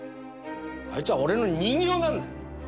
あいつは俺の人形なんだよ！